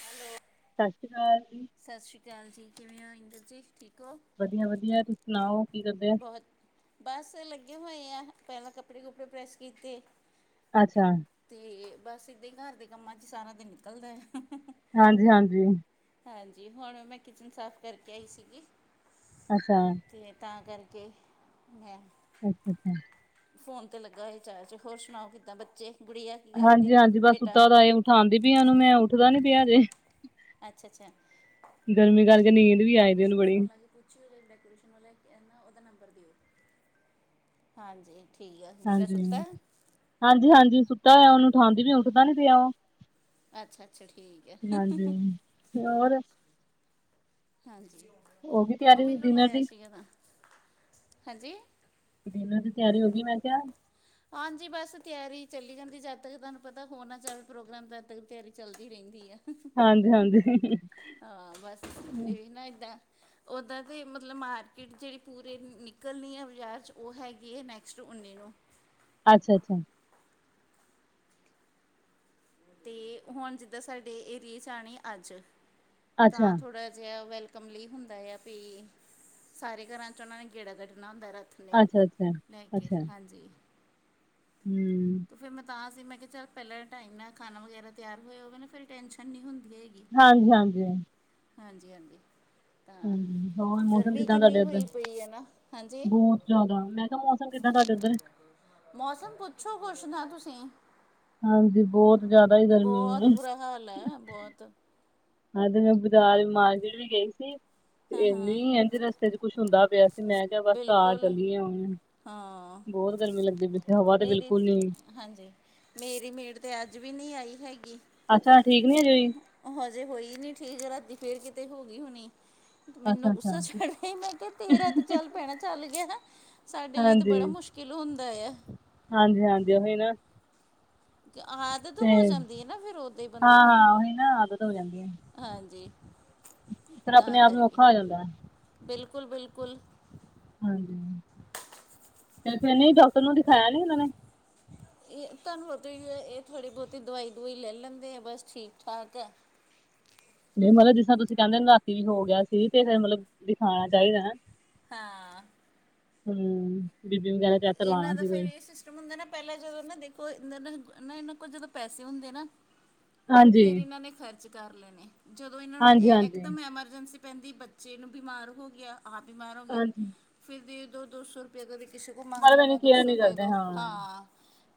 Hello ਸਤਿ ਸ਼੍ਰੀ ਅਕਾਲ ਜੀ। ਸਤਿ ਸ਼੍ਰੀ ਅਕਾਲ ਜੀ ਕਿਵੇਂ ਹੋ ਇੰਦਰ ਜੀ ਠੀਕ ਹੋ। ਵਧੀਆ-ਵਧੀਆ ਤੁਸੀਂ ਸੁਣਾਓ ਕੀ ਕਰਦੇ। ਬਹੁਤ ਬਸ ਲੱਗੇ ਹੋਏ ਆ ਪੈਲਾਂ ਕੱਪੜੇ ਕੁਪੜੇ ਪ੍ਰੈੱਸ ਕੀਤੇ। ਅੱਛਾ ਤੇ ਬਸ ਇੱਦਾਂ ਹੀ ਘਰ ਦੇ ਕੰਮਾਂ 'ਚ ਸਾਰਾ ਦਿਨ ਨਿਕਲਦਾ। ਹਾਂਜੀ-ਹਾਂਜੀ ਹਾਂਜੀ ਹੁਣ ਮੈਂ ਕਿਚਨ ਸਾਫ਼ ਕਰਕੇ ਆਈ ਸੀਗੀ। ਅੱਛਾ ਤੇ ਤਾਂ ਕਰਕੇ ਮੈਂ ਅੱਛਾ-ਅੱਛਾ ਫੋਨ ਤੇ ਲੱਗਾ ਸੀ ਚਾ ਚ ਹੋਰ ਸੁਣਾਓ ਕਿੱਦਾਂ ਬੱਚੇ ਗੁੜੀਆ ਕੀ ਕਰਦੀ ਹਾਂਜੀ-ਹਾਂਜੀ ਬਸ ਬੇਟਾ ਸੁਤਾਂ ਦਾ ਏ ਉਠਾਂਦੀ ਪਈ ਉਨੂੰ ਮੈਂ ਉੱਠਦਾ ਨੀ ਪਿਆ ਹਜੇ ਅੱਛਾ ਅੱਛਾ ਗਰਮੀ ਕਰਕੇ ਨੀਂਦ ਵੀ ਆਏ ਦੀ ਉਨੂੰ ਬੜੀ ਪੁਛ ਹੋ ਡੈਕੋਰੇਸ਼ਨ ਵਾਲੇ ਨਾ ਉਦਾ ਨੰਬਰ ਦਿਓ ਹਾਂਜੀ। ਠੀਕ ਆ ਬੇਟਾ ਸੁੱਤਾ ਹੈ ਹਾਂਜੀ-ਹਾਂਜੀ-ਹਾਂਜੀ ਸੁੱਤਾ ਹੋਇਆ ਉਨੂੰ ਉਠਾਂਦੀ ਵੀ ਉੱਠਦਾ ਨੀ ਪਿਆ ਓ ਅੱਛਾ-ਅੱਛਾ ਠੀਕ ਏ। ਤੇ ਹੋਰ ਹਾਂਜੀ। ਹੋਗੀ ਤਿਆਰੀ ਡਿਨਰ ਦੀ? ਯਾ ਨਾ ਹਾਂਜੀ। ਗੋਨਾਂ ਦੀ ਤਿਆਰੀ ਹੋ ਗੀ ਮੈਂ ਕਿਆ? ਹਾਂਜੀ, ਬਸ ਤਿਆਰੀ ਈ ਚੱਲੀ ਜਾਂਦੀ ਜਦ ਤੱਕ ਤੁਆਨੂੰ ਪਤਾ ਹੋਨਾ ਚਾਹਵੇ ਪ੍ਰੋਗਰਾਮ ਤਦ ਤੱਕ ਤਿਆਰੀ ਚੱਲਦੀ ਰੈੰਦੀ ਐ। ਹਾਂਜੀ, ਹਾਂਜੀ। ਹਾਂ, ਬਸ ਯੇਹੀ ਨਾ ਏਦਾਂ ਓਦਾਂ ਤੇ ਮਤਲਬ ਮਾਰਕੀਟ ਜੇੜੀ ਪੂਰੇ ਨਿਕਲਣੀ ਆ ਬਾਜ਼ਾਰ ਚ ਓਹ ਹੈਗੀ ਏ ਨੈਕਸਟ ਉੱਨੀ ਨੂੰ। ਅੱਛਾ, ਅੱਛਾ। ਤੇ ਹੁਣ ਜਿੱਦਾਂ ਸਾਡੇ ਏਰੀਏ ਚ ਆਣੀ ਏ ਅੱਜ, ਤਾਂ ਅੱਛਾ ਥੋੜ੍ਹਾ ਜਿਆ ਵੈਲਕ ਕਮ ਲੀ ਹੁੰਦਾ ਆ ਪੀ ਸਾਰੇ ਘਰਾਂ 'ਚ ਓਹਨਾਂ ਨੇ ਗੇੜਾ ਕੱਡਣਾ ਹੁੰਦੈ ਰੱਥ ਹੁਣੇ, ਅੱਛਾ ਅੱਛਾ ਲੈ ਕੇ, ਅੱਛਾ ਹਾਂਜੀ। ਹੂੰ। ਤੋ ਫਿਰ ਮੈਂ ਤਾਂ ਸੀ ਮੈਂ ਕਿਆ ਚੱਲ ਪੈਲਾਂ ਟਾਈਮ ਨਾ ਖਾਣਾ ਵਗੈਰਾ ਤਿਆਰ ਹੋਇਆ ਹੋਗਾ ਨਾ ਫੇਰ ਟੈਂਨਸ਼ਨ ਨੀ ਹੁੰਦੀ ਹੈਗੀ। ਹਾਂਜੀ ਹਾਂਜੀ, ਹਾਂ। ਹਾਂਜੀ, ਹਾਂਜੀ। ਹੂੰ, ਤਾਂ ਹੂੰ, ਹੋਰ ਤੇ ਮੌਸਮ ਗਰਮੀ ਕਿੱਦਾਂ ਕਿੰਨੀ ਤਾਡੇ ਓਧਰ? ਹੋਈ ਪਈ ਹੈ ਨਾ ਹਾਂਜੀ ਬੌਤ ਜੈਦਾ ਮੈਂ ਕਿਆ ਮੌਸ ਸਮ ਕਿੱਦਾਂ ਤਾਡੇ ਓੱਧਰ? ਮੌਸਮ ਪੁੱਛੋ ਕੁਛ ਨਾ ਤੁਸੀਂ। ਹਾਂਜੀ ਬਹੁਤ ਜ਼ਿਆਦਾ ਹੀ ਗਰਮੀ ਹੈ ਬੋਤ ਬੁਰਾ ਹਾਲ ਐ, ਬੋਤ। ਆਜ ਤੇ ਮੈਂ ਬਜਾਰ ਮਾਰਕਿਟ ਵੀ ਗਈ ਸੀ। ਹਾਂ ਹਾਂ ਏਨੀ ਏਂਜ ਰਸਤੇ ਚ ਕੁੱਛ ਹੁੰਦਾ ਪਿਆ ਸੀ ਮੈਂ ਕਿਆ ਬਸ ਘਾਰ ਬਿਲਕੁਲ ਚੱਲਿਏ ਹੁਨ। ਹਾਂ। ਬੋਰ ਗਰਮੀ ਲੱਗਦੀ ਪੀ ਸੀ, ਹਵਾ ਤੇ ਮੇਰੀ ਬਿਲਕੁਲ ਨੀ। ਹਾਂਜੀ, ਮੇਰੀ ਮੇਡ ਤੇ ਅੱਜ ਵੀ ਨੀ ਆਈ ਹੈਗੀ। ਅੱਛਾ, ਠੀਕ ਨੀ ਹਜੇ ਹੂਈ? ਹਜੇ ਹੋਈ ਨੀ ਠੀਕ, ਰਾਤੀ ਫੇਰ ਕਿਤੇ ਹੋ ਗੀ ਹੋਣੀ। ਅੱਛਾ ਮੈਨੂੰ ਗੁੱਸਾ ਅੱਛਾ ਚੜ੍ਹਿਆ ਮੈਂ ਕਿਆ ਤੇਰਾ ਤੇ ਚੱਲ ਪੈਣੇ ਚੱਲ ਗੇਆ ਨਾ ਸਾਡੇ ਲਈ ਤੇ ਹਾਂਜੀ ਬੜਾ ਮੁਸ਼ ਕਿਲ ਹੁੰਦਾ ਆ। ਹਾਂਜੀ ਹਾਂਜੀ, ਓਹੀ ਨਾ। ਤੇ ਆਦਤ ਤੇ ਹੋ ਜਾਂਦੀ ਏ ਨਾ ਫੇਰ ਓਦਾਂ ਈ ਬੰਦੇ ਹਾਂ ਨੂੰ। ਹਾਂ ਉਹੀ ਨਾ ਆਦਤ ਹੋ ਜਾਂਦੀ ਹੈ ਹਾਂਜੀ ਫਿਰ ਆਪਣੇ ਤਾਂ ਆਪ ਨੂੰ ਕਰਕੇ, ਔਖਾ ਹੋ ਜਾਂਦਾ ਹੈ ਬਿਲਕੁਲ-ਬਿਲਕੁਲ। ਹਾਂਜੀ ਤੇ ਫੇਰ ਨਹੀਂ ਡੋਕਟਰ ਨੂੰ ਦਿਖਾਇਆ ਨੀ ਉਨਾਂ ਨੇ? ਏਹ ਤਾਨੂ ਹੋਤੇ ਈ ਏ, ਏਹ ਥੋੜ੍ਹੀ-ਬੋਤੀ ਦਵਾਈ-ਦੁਵੂਈ ਲੈ ਲੈਂਦੇ ਐ ਬਸ ਠੀਕ-ਠਾਕ ਐ। ਨਈ ਮਤਲਬ ਜਿਸਰਾ ਤੁਸੀਂ ਕੇਂਦੇ ਨਾ ਰਾਤੀ ਵੀ ਹੋ ਗਿਆ ਸੀ ਤੇ ਫੇਰ ਮਤਲਬ ਦਿਖਾਣਾ ਚਾਈਦੈ ਨਾ। ਹਾਂ। ਹੁੰ, ਬੀ ਪੀ ਵਗੈਰਾ ਏਨਾਂ ਦਾ ਫੇਰ ਏ ਸਿਸਟਮ ਹੁੰਦੈ ਨਾ ਪੈਲਾਂ ਜਦੋਂ ਨਾ ਦੇਖੋ ਇੰਦਾ ਨਾ ਨਾ ਏਨਾਂ ਕੋਲ ਜਦੋਂ ਪੈਸੇ ਹੁੰਦੇ ਨਾ ਹਾਂਜੀ ਫਿਰ ਇਨਾਂ ਨੇ ਖਰਚ ਕਾਰ ਲੈਣੇ। ਜਦੋਂ ਏਨਾਂ ਨੇ ਹਾਂਜੀ ਏਕ ਹਾਂਜੀ ਏਕਦਮ ਐਮਰਜੈਂਸੀ ਪੈਂਦੀ ਬੱਚੇ ਨੂੰ ਬਿਮਾਰ ਹੋ ਗਿਆ, ਆਪ ਬਿਮਾਰ ਹੋ ਗਿਆ, ਹਾਂਜੀ ਫੇਰ ਦੇਦੋ ਦੋ-ਸੌ ਰੁਪਇਆ ਕਦੇ ਕਿਸੇ ਕੂ ਮੰਗ ਮਤਲਬ ਲੈਣੇ ਆ ਇਹਨੂੰ ਕੇਅਰ ਦੋ-ਸੌ ਨਹੀਂ ਕਰਦੇ ਦੇਦੋ, ਹਾਂ।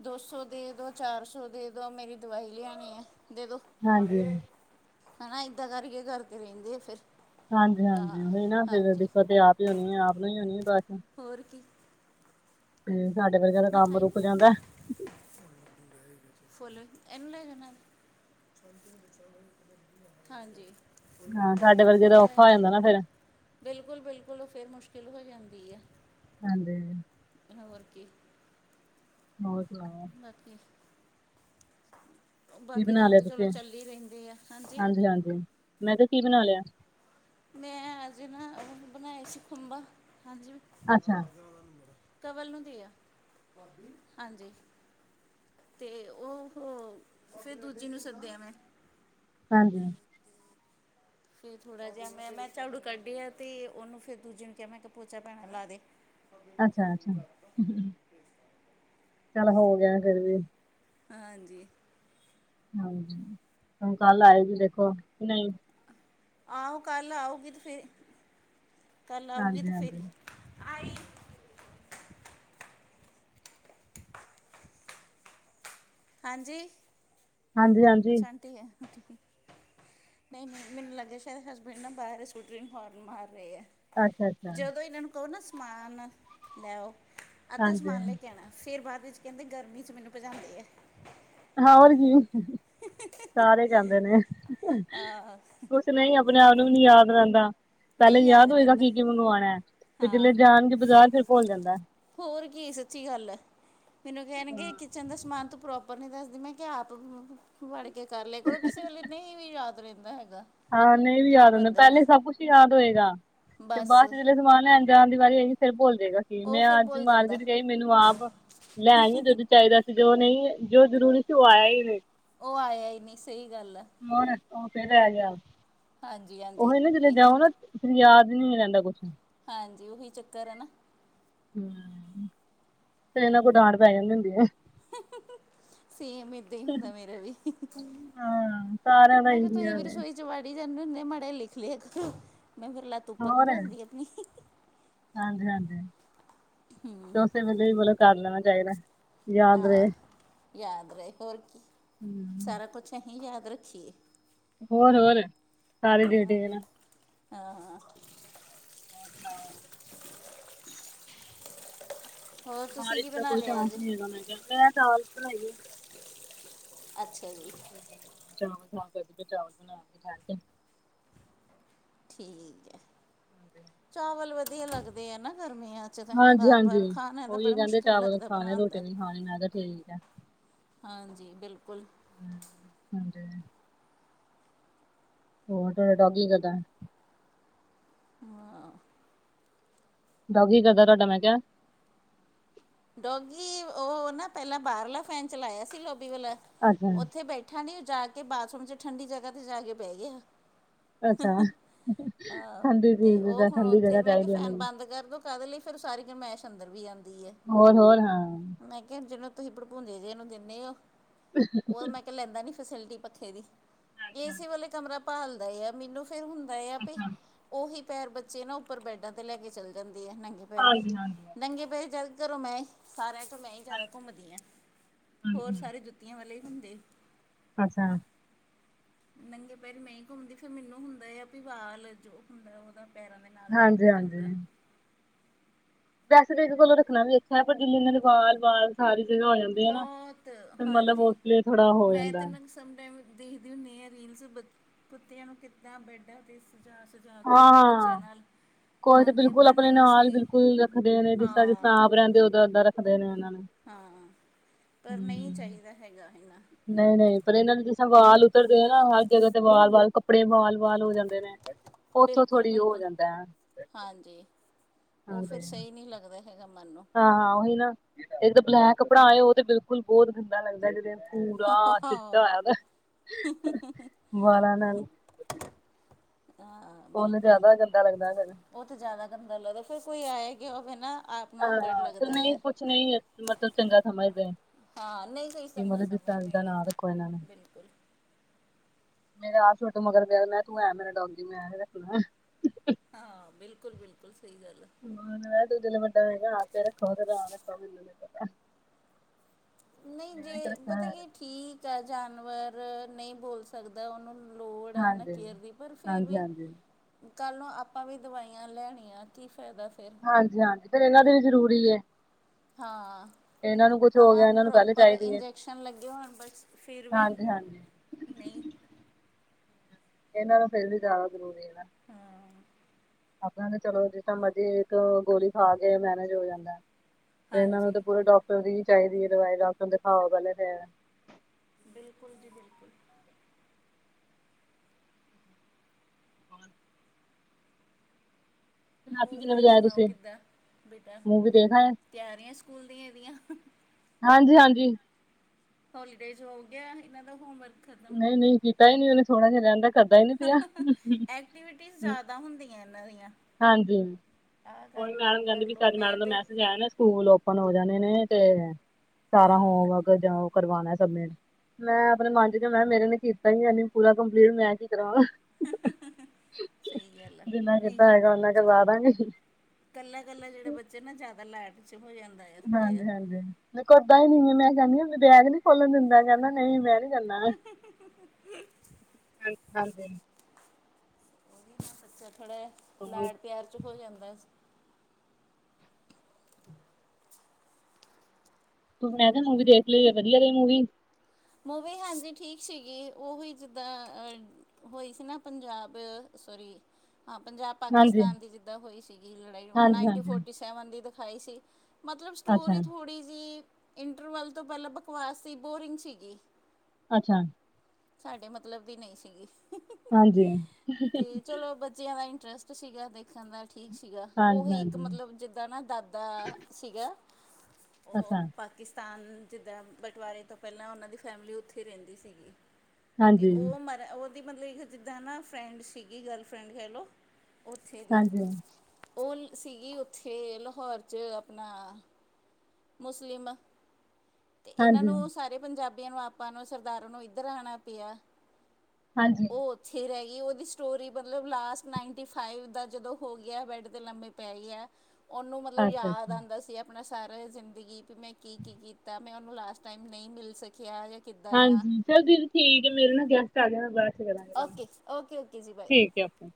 ਦੋ ਸੌ ਦੇਦੋ, ਚਾਰ ਸੌ ਦੇਦੋ ਮੇਰੀ ਦਵਾਈ ਲਿਆਣੀ ਐ, ਦੇਦੋ। ਹਾਂਜੀ ਹਨਾ ਏਦਾਂ ਕਰਕੇ ਕਰਦੇ ਰੇੰਦੇ ਐ ਫੇਰ। ਹਾਂਜੀ-ਹਾਂਜੀ ਔਈ ਨਾ ਫੇਰ ਦਿਕਤ ਤੇ ਆਪ ਈ ਹੋਣੀ ਏ ਆਪ ਨੂੰ ਈ ਹੋਣੀ ਹੈ ਬਾਚੋ ਹੋਰ ਕੀ। ਸਾਡੇ ਵਰਗੇ ਦਾ [unintelligible] ਕੰਮ ਮਿਠਾਈ ਨੀ ਰੁਕ ਲਆਏ ਜਾਂਦਾ ਭੁਲ ਗੇਯਾ ਸੀਗਾਫੁਲ ਏਨੁੰ ਲੈਜੋ ਨਾਲ ਆਂਟੀ ਨੁੰ ਪੁਛੇ ਆ ਸੀ। [unintelligible] ਹਾਂਜੀ। ਹਾਂ ਸਾਡੇ ਵਰਗੇ ਫੁੱਲ ਦਾ ਲੈ ਔਖਾ ਹੋ ਆਇਓ। ਜਾਂਦਾਂ ਨਾ ਫੇਰ- ਬਿਲਕੁਲ- ਬਿਲਕੁਲ ਔ ਫੇਰ ਮੁਸ਼ਕਿਲ ਹੋ ਜਾਂਦੀ ਏ। ਹਾਂਜੀ। ਹੋਰ ਕੀ। ਹੋਰ ਸੁਨਾ ਔ [inaudible] ਨਾਕੀ। [unintelligible] ਔ ਕੀ ਬਾਕੀ ਬਣਾ ਕੰਮ ਲਿਆ ਤੇ ਚਲੋ ਤੁਸੀਂ ਚੱਲੇ ਇ ਰੇਂਦੇ ਆ। ਹਾਂਜੀ। ਹਾਂਜੀ। ਮੈਂ ਕਯਾ ਕਿ ਬਨਾਲੇਯਾ। ਮੈਂ ਅਜ ਨਾ ਔ ਬਣਾਏ ਸੀ ਖੁੰਬਾ ਹਾਂਜੀ। ਕੈ ਅੱਛਾ ਆਜੋ [unintelligible] ਕਵਲ ਨੂੰ ਦੇ ਆ। ਭਾਬੀ, ਹਾਂਜੀ। ਤੇ ਔਹ ਫੇਰ ਦੂਜੀ ਨੂੰ ਸੱਦਯਾ ਮੈਂ। ਹਾਂਜੀ। ਫੇਰ ਥੋੜਾ ਜਾ ਮੈਂ ਨਾ ਝਾੜੂ ਕੱਢਿਆ ਤੇ ਔਨੂੰ ਫੇਰ ਦੂਜੇ ਨੂੰ ਕਯਾ ਮੈਂ ਪੋਚਾ ਪੈਣਾ ਲਾ ਦੇ। ਅੱਛਾ-ਅਛਾ ਅਹਅ ਚੱਲ ਹੋ ਗੇਯਾ ਫੇਰ ਵੀ। ਹਾਂਜੀ। ਹਾਂਜੀ। ਹੁਣ ਕਾਲ ਆਏਗੀ ਦੇਖੋ ਨਹੀਂ। ਆਹੋ ਕੱਲ ਆਉਗੀ ਤੇ ਫੇਰ, ਕੱਲ ਆਉਗੀ ਹਾਂਜੀ ਤੇ ਫੇਰ। ਹਾਂਜੀ ਆਈ। ਹਾਂਜੀ। ਹਾਂਜੀ ਹਾਂਜੀ ਅੱਛਾ ਆਂਟੀ ਏ ਹਹਅਹ ਨਈ - ਨਈ ਮੈਨੂੰ ਲਗੇਗਾ ਸ਼ਾਇਦ ਹਸਬੈਂਡ ਨਾ ਬਾਰ ਸਕੂਟਰਰੀ ਹਰਨ ਮਾਰ ਰੇ ਐ ਅੱਛਾ ਅੱਛਾ ਜਦੋਂ ਏਨਾਂ ਨੂੰ ਕੋ ਨਾ ਸਮਾਨ ਲੈ ਔ ਅੱਧਾ ਹਾਂਜੀ ਸਮਾਨ ਲੈ ਕੇ ਆਨਾ ਫੇਰ ਬਾਅਦ ਵਿੱਚ ਕੈਂਦੇ ਗਰਮੀ ਚ ਮੈਨੂੰ ਪਜਾਦੇ ਐ ਹਾਂ ਹੋਰ ਕੀ ਅਹਹਅ ਸਾਰੇ ਕਹਦੇ ਨੇ ਹਾਂ ਹਹਹਅ ਤੇ ਨ ਈ ਅਪਣੇ ਆਪ ਨੂੰ ਵੀ ਨੀ ਯਾਦ ਰੈਂਦਾ ਪੈਲੇ ਨਹੀਂ ਯਾਦ ਹੋਏਗਾ ਰਹਿੰਦਾ ਕੀ ਕੀ ਮੰਗਵਾਨਾ ਤੇ ਜੇ ਲਏ ਹਾਂ ਯਾਅ ਐੰਜ ਬਜਾਰ ਚ ਵੀ ਭੁਲ ਜਾਂਦੈ। ਹੋਰ ਕੀ ਸੱਚੀ ਗੱਲ ਐ ਮੈਨੂੰ ਕੈਨਗੇ ਕਿਚਨ ਦਾ ਸਮਾਨ ਤੂੰ ਪ੍ਰੋਪਰ ਨੀ ਦੱਸਦੀ ਮੈਂ ਕਿਹਾ ਆਪ ਵੜ ਕੇ ਕਰ ਲੇਆ ਕਰੋ ਕਿਸੇ ਵੇਲੇ ਨ ਈ ਵੀ ਯਾਦ ਰਹਿੰਦਾ ਹੈਗਾ। ਹਾਂ ਨਈ ਵੀ ਕੀ ਯਾਦ ਹੁੰਦਾ ਬੰਦੇ ਪੈਲੇ ਸਭ ਕੁਛ ਯਾਦ ਹੋਏਗਾ ਤੇ ਬਸ ਬਾਅਚ ਜਿਅਲੇ ਸਮਾਨ ਲੈਣ ਜਾਨ ਦੀ ਵਾਰੀ ਆਈਗੀ ਫੇਰ ਭੁੱਲ ਜੇਗਾ ਕਿ ਉਹ ਮੈਂ ਫਿਰ ਅੱਜ ਭੁੱਲ ਜਾਂਦਾ ਮਾਰਕੀਟ ਗਈ ਮੈਨੂੰ ਆਪ ਲੈ ਜੌ - ਜੋ ਚਾਈਦਾ। ਜੋ ਨ ਈ ਏ, ਜੋ ਜਰੂਰੀ ਸੀ ਔ ਆਯਾ ਈ ਨੀ ਔ ਆਯਾ ਈ ਨਈ ਸ ਈ ਗੱਲੈ ਹੁਣ, ਹੁਣ ਫੇ ਰੈਗਯਾ ਹਾਂਜੀ- ਹਾਂਜੀ ਏਹ ਚ ਅਹ ਯਾਦ ਨੀ ਰੈਂਦਾ ਕੁਛ ਵੀ ਹਾਂਜੀ ਔਹੀ ਚੱਕਰ ਐ ਨਾ ਹਮ- ਫੇਰ ਏਨਾ ਕੋਲ ਡਾਂਟ ਪੈ ਜਾਂਦੀ ਹੁੰਦੀ ਏ ਹਹਹਹ ਸੇਮ ਏਦਾ ਹੀ ਹੁੰਦਾ ਮੇਰਾ ਵੀ ਹਾਂ ਸਾਰਿਆਂ ਦਾ ਮੈਂ ਕਿਹਾ ਇਹੀ ਤੁਸੀ ਵੀ ਹਾਲ ਹੈ ਰਸੋਈ ਵਾੜੀ ਜਾਂਦੇ ਹੁੰਦੇ ਮਾੜੇ ਲਿਖ ਲਿਆ ਮੈਂ ਫੇਰ ਲੱਤ ਉਪਰ ਹੋਰ ਰੱਖ ਲੀ ਆਪਣੀ ਹਾਂਜੀ ਹਾਂਜੀ ਤੇੇ ਓਸੇ ਵੇਲੇ ਵੀ ਬਲ ਕਰ ਲੈਣਾ ਚਾਹੀਦਾ ਯਾਦ ਹਾਂ ਰਹੇ ਯਾਦ ਰਹੇ ਹੋਰ ਕੀ ਹਮ, ਸਾਰਾ ਕੁਛ ਅਸੀਂ ਯਾਦ ਰੱਖੀਏ ਹੋਰ ਹੋਰ ਸਾਰੇ ਡਟੇ ਨਾ ਹਾਂ ਹਾਂ ਹੋਰ ਸੁਣਾਓ ਹੋਰ ਤੁਸੀਂ ਕੀ ਬਾਰਿਸ਼ ਦਾ ਬਣਾ ਕੋਈ ਲਿਆ ਚਾਂਸ ਅੱਜ ਨਹੀਂ ਹੈਗਾ ਮੈਂ ਮੈਂ ਦਾਲ ਬਣਾਈ ਆ ਅੱਛਾ ਜੀ ਤੇ ਚਲੋ ਚਾਵਲ ਬਣਾ ਕੇ ਕੇ ਠੀਕ ਹੈ ਕੇ ਚਾਵਲ ਵਧੀਆ ਲੱਗਦੇ ਆ ਨਾ ਗਰਮੀਆਂ ਚ ਹਾਂਜੀ ਬਾਰ ਬਾਰ ਹਾਂਜੀ ਖਾਣਾ ਤਾਂ ਬੜਾ ਮੁਸ਼ਕਿਲ ਲੱਗਦਾ ਬਣਾਉਣ ਦਾ ਹਾਂਜੀ ਮੈਂ ਕਿਹਾ ਠੀਕ ਆ ਹਾਂਜੀ ਬਿਲਕੁਲ ਹ ਹਾਂਜੀ ਹੋਰ ਬੇਟਾ ਕੀ ਕਰਦਾ ਹਾਂ [unintelligible] ਡੋਗੀ ਕੀ ਕਰਦਾ ਤੁਹਾਡਾ ਮੈਂ ਕਿਹਾ ਡੋਗੀ ਉਹ ਨਾ ਪਹਿਲਾਂ ਬਾਹਰਲਾ ਫ਼ੈਨ ਚਲਾਇਆ ਸੀ ਲੋਬੀ ਵਾਲਾ ਅੱਛਾ ਉੱਥੇ ਬੈਠੇ ਠੰਡੀ [unintelligible] ਕੇ ਬਾਥਰੂਮ ਚ ਠੰਡੀ ਜਗ੍ਹਾ ਤੇ ਜਾ ਕੇ ਪੈ ਗਿਆ ਅੱਛਾ ਹਾਂ ਠੰਡੀ ਤੇ ਚੀਜ਼ ਉਹ ਜਾਂ ਹੁਣ ਠੰਡੀ ਉੱਥੇ ਜਗ੍ਹਾ ਮੈਂ ਕਿਹਾ ਚਾਹੀਦੀ ਫੈਨ ਉਹਨੂੰ ਵੀ ਬੰਦ ਕਰਦੋ ਕਾਹਦੇ ਲਈ ਫਿਰਰ ਸਾਰੀ ਗਮੈਸ਼ ਅੰਦਰ ਵੀ ਜਾਂਦੀ ਐ ਹੋਰ ਹੋਰ ਹਾਂ ਮੈਂ ਕਿਹਾ ਜਿਹਨੂੰ ਤੁਸੀਂ ਭੜਪੂਜੇ ਜੇ ਨੂੰ ਦਿੰਦੇ ਓ ਉਹ ਮੈਂ ਲੈਂਦਾ ਨੀ ਫੈਸਿਲਿਟੀ ਪੱਖੇ ਦੀ ਏਸੀ ਵਾਲੇ ਕਮਰਾ ਭਾਲਦਾ ਆ ਇਆ ਮੈਨੂੰ ਫੇਰ ਹੁੰਦਾ ਆ ਆ ਭ ਉਹੀ ਪੈਰ ਬੱਚੇ ਨਾ ਉੱਪਰ ਬੈਡਾਂ ਤੇ ਲੈ ਕੇ ਚੱਲ ਜਾਂਦੇ ਆ ਨੰਗੇ ਹਾਂਜੀ ਹਾਂਜੀ ਹਾਂਜੀ ਨੰਗੇ ਪੈਰੀ ਜਇਦਾ ਤਰ ਮੈਂ ਸਾਰਿਆਂ ਚੋਂ ਮੈਂ ਈ ਜ਼ਿਆਦਾ ਹਾਂਜੀ। ਘੁੰਮਦੀਆਂ ਹੋਰ ਸਾਰੇ ਜੁੱਤੀਆਂ ਵਾਲੇ ਈ ਹੁੰਦੇ ਅੱਛਾ ਨੰਗੇ ਪੈਰੀ ਨਹੀਂ ਘੁੰਮਦੀ ਫਿਰ ਮੈਨੂੰ ਹੁੰਦਾ ਆ ਵੀ ਵਾਲ ਜੋ ਹੁੰਦਾ ਉਹਦਾ ਪੈਰਾਂ ਦਾ ਹਾਂਜੀ ਹਾਂਜੀ ਵੈਸੇ ਤਾਂ ਕੋਲੋਂ ਰੱਖਣਾ ਵੀ ਅੱਛਾ ਐ ਪਰ ਜਿੰਨਾ ਇਹਨਾਂ ਨੇ ਵਾਲ ਵਾਲ ਸਾਰੀ ਜਗ੍ਹਾ ਹੋ ਜਾਂਦੀ ਐ ਨਾ ਬਹੁਤ ਤੇ ਮਤਲਬ ਉਸ ਲਈ ਥੋੜਾ ਹੋ ਜਾਂਦਾ ਸਮਟਾਈਮ ਦੇਖਦੇ ਹੁੰਦੇ ਹਾਂ ਰੀਲਸ ਕੁੱਤਿਆਂ ਨੂੰ ਕਿੱਦ ਬੈਡਾ ਤੇ ਘਰ ਜਾ ਕੇ ਨਾ ਬੱਚਿਆਂ ਹਾਂ। ਨਾਲ ਕੋਈ ਤੇ ਖਿਲਾਉਂਦੇ ਆ ਬਿਲਕੁਲ ਪਰ ਆਪਣੇ ਨਹੀਂ ਨਾਲ ਸਹੀ ਬਿਲਕੁਲ ਰੱਖਦੇ ਨੇ ਜਿਸ ਤਰ੍ਹਾਂ ਜ ਹਾਂ ਸਾਂ ਆਪ ਰਹਿੰਦੇ ਓਦਾਂ ਓਦਾਂ ਰੱਖਦੇ ਨੇ ਇਹਨਾਂ ਨੇ ਹਾਂ ਪਰ ਨਹੀਂ ਚਾਹੀਦਾ ਹੈਗਾ ਹੈ ਐਨਾ ਨਹੀਂ ਨਹੀਂ ਪਰ ਇਹਨਾਂ ਨੂੰ ਜਿਸ ਤਾਂ ਵਾਲ ਉਤਰਦੇ ਆ ਨਾ ਹਰ ਜਗ੍ਹਾ ਤੇ ਵਾਲ ਵਾਲ ਕੱਪੜੇ ਵਾਲ ਵਾਲ ਹੋ ਜਾਂਦੇ ਨੇ ਉੱਥੋਂ ਬਿਲਕੁਲ ਥੋੜ੍ਹੀ ਉਹ ਹੋ ਬਿਲਕੁਲ ਜਾਂਦਾ ਹੈ ਹਾਂਜੀ ਉਹ ਫਿਰ ਹਾਂਜੀ। ਸਹੀ ਨਹੀਂ ਲੱਗਦਾ ਹੈਗਾ ਮਨ ਨੂੰ ਹਾਂ ਹਾਂ ਉਹੀ ਨਾ ਤੇ ਇੱਕ ਤਾਂ ਬਲੈਕ ਕੱਪੜਾ ਆਏ ਉਹ ਤੇ ਬਿਲਕੁਲ ਬਹੁਤ ਗੰਦਾ ਲੱਗਦਾ ਜ ਪੂਰਾ ਚਿੱਟਾ ਆਦਾ ਵਾਲਾਂ ਨਾਲ ਆ ਉਹਨੂੰ ਜ਼ਿਆਦਾ ਗੰਦਾ ਲੱਗਦਾ ਏ ਫਿਰ ਉਹ ਤਾਂ ਜੈਂਦਾ ਗੰਦਾ ਲੱਗਦਾ ਫੇਰ ਕੋਈ ਆਇਆ ਗਿਆ ਹੋਵੇ ਨਾ ਆਪ ਨੂੰ ਔਕਡ ਹਾਂ ਤੇ ਲੱਗਦਾ ਨਹੀਂ ਹੈ। ਕੁਛ ਨਹੀਂ ਮਤਲਬ ਚੰਗਾ ਸਮਝਦੇ। ਹਾਂ ਨਹੀਂ ਕੋਈ ਕਿ ਸਮਾ ਮਤਲਬ ਜਿਸ ਸਮਝ ਤਰ੍ਹਾਂ ਦਾ ਨਹੀਂ ਨਾਂ ਰੱਖੋ ਇਹਨਾਂ ਨੂੰ ਬਿਲਕੁਲ [unintelligible] ਮੇਰੇ ਆਪ ਛੋਟੁ ਮਗਰ ਪਿਆ ਮੈਂ ਕਿਆ ਤੂੰ ਐਂ ਮੇਰਾ ਡੋਗੀ ਮੈਂ ਰੱਖਣਾ। ਹਾਂ ਬਿਲਕੁਲ ਬਿਲਕੁਲ ਸਹੀ ਗੱਲ ਏ। ਹਾ ਮੈਂ ਜਿਸਲੇ ਦੇ [unintelligible] ਵੱਡਾ ਹੋ ਹੈਗਾ ਪਿਆ ਰੱਖ ਨਹੀਂ ਤੇ ਜੇ ਰੱਖਿਆ ਪਤਾ ਹੋਇਆ ਕੀ ਠੀਕ ਆ ਜਾਨਵਰ ਨਹੀਂ ਬੋਲ ਸਕਦਾ ਉਹਨੂੰ ਲੋੜ ਹੈ ਨਾ ਹਾਂਜੀ ਕੇਅਰ ਦੀ ਪਰ ਫੇਰ ਹਾਂਜੀ ਵੀ ਹਾਂਜੀ ਕੱਲ ਨੂੰ ਆਪਾਂ ਵੀ ਦਵਾਈਆਂ ਲੈਣੀਆਂ ਕੀ ਫਾਇਦਾ ਫੇਰ ਹਾਂਜੀ ਹਾਂਜੀ ਫੇਰ ਇਹਨਾਂ ਦੇ ਵੀ ਜ਼ਰੂਰੀ ਏ। ਹਾਂ ਹੋ ਭਾਵਾਂ ਗਿਆ ਇਹਨਾਂ ਨੂੰ ਪਹਿਲੇ ਪ੍ਰੋਪਰ ਚਾਹੀਦੀ ਹੈ ਇੰਜੈਕਸ਼ਨ ਲੱਗੇ ਹੋਣ ਬਸ ਫਿਰ ਵੀ ਹਾਂਜੀ ਹਾਂਜੀ ਨਹੀਂ ਇਹਨਾਂ ਨੂੰ ਫੇਰ ਵੀ ਜੈਦਾ ਜ਼ਰੂਰੀ ਏ ਨਾ। ਹਾਂ ਅਪਣਾ ਤੇ ਚਲੋ ਜਿਦਾਂ ਮਰਜੀ ਇੱਕ ਗੋਲੀ ਖਾ ਕੇ ਮੈਨੇਜ ਹੋ ਜਾਂਦਾ। ਫੇਰ ਇਹਨਾਂ ਨੂੰ ਤਾਂ ਹਾਂਜੀ ਪੂਰੇ ਡਾਕਟਰ ਦੀ ਹੀ ਚਾਹੀਦੀ ਹੈ ਦਵਾਈ ਡਾਕਟਰ ਨੂੰ ਦਿਖਾਓ ਪਹਿਲੇ ਫੇਰ। ਬਿਲਕੁਲ ਜੀ ਬਿਲਕੁਲ ਹ [inaudible] ਰਾਤੀ ਹੋਰ ਕਿੰਨੇ ਤੁਸੀਂ ਵਜੇ ਆਏ ਸੁਨਾਓ ਕਿੱਦਾਂ ਬੇਟਾ ਮੂਵੀ ਦੇਖ ਆਏ ਤਿਆਰੀਆਂ ਸਕੂਲ ਦੀਆਂ ਇਹਦੀਆਂ ਹਾਂਜੀ ਹਾਂਜੀ। ਹੋਲੀਡੇਜ ਹੋ ਗਿਆ ਇਹਨਾਂ ਦਾ ਹੋਮਵਰਕ ਖਤਮ ਨਹੀਂ ਨਹੀਂ ਕੀਤਾ ਹੀ ਨਹੀਂ ਉਹਨੇ ਥੋੜਾ ਜਿਹਾ ਰਹਿੰਦਾ। ਕਰਦਾ ਈ ਨੀ ਪਿਆ ਐਕਟੀਵਿਟੀਜ਼ ਜ਼ਿਆਦਾ ਹੁੰਦੀਆਂ ਇਹਨਾਂ ਦੀਆਂ ਹਾਂਜੀ। ਆਹ ਕਰ ੳਹੀ ਲਓ ਉਹ ਮੈਡਮ ਕਹਿੰਦੀ ਕਰ ਪਈ ਸੀ ਵੀ ਲਓ ਅੱਜ ਮੈਂ ਮੈਡਮ ਦਾ ਤੇ ਮੈਸੇਜ ਨੀ ਆਇਆ ਨਾ। ਸਕੂਲ ਓਪਨ ਹੋ ਜਾਨੇ ਨੇ ਤੇ ਸਾਰਾ ਹਾਂ ਹੋਮਵਰਕ ਤੇ ਜਾਂ ਉਹ ਕਰਵਾਨਾਂ ਚਾਹੰਦੇ ਨ ਮੈਂ ਅਪਨੇ ਮਨ ਮੈਂ ਮੇਰੇ ਨੇ ਕੀਤਾ ਹੀ ਯਾਨੀ ਪੂਰਾ ਕੰਪਲੀਟ ਮੈਂ ਕੀ ਕਰਾਂ। ਸਹੀ ਗੱਲ ਆ ਜਿੰਨਾ ਨਹੀਂ ਕਿੱਤਾ ਹੋਏਗਾ ਕਰਦੇ ਓਨਾ ਬੱਚੇ ਕਰਵਾਦਾਂਗੇ। ਕੱਲਾ ਕੱਲਾ ਜਿਹੜੇ ਬੱਚੇ ਨਾ ਜੈਦਾ ਲਾਡ ਚ ਹੋ ਜਾਂਦੇ। ਹਾਂਜੀ ਹਾਂਜੀ ਮੈਂ ੳਦਾਂ ਹੀ ਨਹੀਂ ਆ ਮੈਂ ਕਹਿੰਨੀ ਆ ਬੈਗ ਨੀ ਖੋਲਨ ਦਿੰਦਾ ਕਹਿੰਦਾ ਨਹੀਂ ਮੈਂ ਨਈ [unintelligible] ਉਹ ਹਾਂਜੀ ਹਾਂਜੀ ਵੀ ਨਾ ਸੱਚਾ ਥੜਾ ਹੋਰ ਲਾਡ ਪਿਆਰ ਚ ਹੋ ਜਾਂਦਾ ਤੂੰ ਮੈਂ ਕਿਹਾ ਮੂਵੀ ਦੇਖ ਲਈ ਹੈ ਵਧੀਆ ਰਹੀ ਮੂਵੀ ਮੂਵੀ ਹਾਂਜੀ ਠੀਕ ਸੀਗੀ ਉਹੀ ਜਿੱਦਾਂ ਅ ਹੋਈ ਸੀ ਨਾ ਪੰਜਾਬ ਸੋਰੀ ਹਾਂ ਪੰਜਾਬ ਹਾਂਜੀ ਪਾਕਿਸਤਾਨ ਦੀ ਜਿੱਦਾਂ ਹੋਈ ਸੀਗੀ ਲੜਾਈ ਹਾਂਜੀ ਨਾਈਨਟੀ ਹਾਂਜੀ ਫੋਰਟੀ ਸੈਵਨ ਦੀ ਦਿਖਾਈ ਸੀ। ਮਤਲਬ ਸਟੋਰੀ ਅੱਛਾ ਥੋੜ੍ਹੀ ਜਿਹੀ ਇੰਟਰਵਲ ਤੋਂ ਪਹਿਲਾਂ ਬਕਵਾਸ ਸੀ ਬੋਰਿੰਗ ਸੀਗੀ। ਅੱਛਾ ਸਾਡੇ ਮਤਲਬ ਵੀ ਨਹੀਂ ਸੀਗੀ ਹਾਂਜੀ ਤੇ ਚਲੋ ਬੱਚਿਆਂ ਦਾ ਇੰਟਰਸਟ ਸੀਗਾ ਦੇਖਨ ਦਾ ਠੀਕ ਸੀਗਾ ਹਾਂਜੀ ਉਹੀ ਇੱਕ ਹਾਂਜੀ ਮਤਲਬ ਜਿੱਦਾਂ ਨਾ ਦਾਦਾ ਸੀਗਾ ਉਹ ਅੱਛਾ ਪਾਕਿਸਤਾਨ ਜਿੱਦਾਂ ਬਟਵਾਰੇ ਤੋਂ ਪਹਿਲਾਂ ਉਹਨਾਂ ਦੀ ਫੈਮਿਲੀ ਉੱਥੇ ਰਹਿੰਦੀ ਸੀਗੀ ਤੇ ਹਾਂਜੀ ਉਹ ਮਤ ਉਹਦੀ ਮਤਲਬ ਇੱਕ ਜਿੱਦਾਂ ਨਾ ਫਰੈਂਡ ਸੀਗੀ ਗਰਲ ਫਰੈਂਡ ਕਹਿ ਲਓ ਉੱਥੇ ਦੀ ਹਾਂਜੀ ਉਹ ਸੀਗੀ ਉੱਥੇ ਲਹੌਰ 'ਚ ਅਪਨਾ ਮੁਸਲਿਮ ਤੇ ਏਨਾਂ ਹਾਂਜੀ ਨੂੰ ਸਾਰੇ ਪੰਜਾ ਬੀਆਂ ਨੂੰ ਆਪਾਂ ਨੂੰ ਸਰਦਾਰਾਂ ਨੂੰ ਇੱਧਰ ਆਣਾ ਪਿਆ। ਹਾਂਜੀ। ਛੇ ਰੈ ਗੀ ਓ ਸਟੋਰੀ ਮਤਲਬ ਲਾਸਟ ਨਾਈਨਟੀ ਫਾਈਵ ਦਾ ਜਦੋਂ ਹੋ ਗਿਆ ਬੈੱਡ ਤੇ ਲੰਬੇ ਪੈ ਗਿਐ ਓਨੂੰ ਮਤਲਬ ਅੱਛਾ ਯਾਦ ਅੱਛਾ ਆਂਦਾ ਸੀ ਆਪਣਾ ਸਾਰਾ ਜ਼ਿੰਦਗੀ ਵੀ ਮੈਂ ਕੀ-ਕੀ ਕੀਤਾ ਮੈਂ ਓਨੂੰ ਲਾਸਟ ਟਾਈਮ ਨਈ ਮਿਲ ਸਕਿਆ [unintelligible] ਆ ਹਾਂਜੀ ਚੱਲ ਦੀਦੀ ਠੀਕ ਐ ਮੇਰੇ ਨਾ ਗੈ ਟ ਆਗੇ ਮੈਂ ਬਾਦ ਚ ਕਰਾਂਗੀ ਤੁਹਾਨੂੰ ਓਕੇ ਓਕੇ ਓਕੇ ਜੀ ਬਾਏ ਠੀਕ ਆਪਾਂ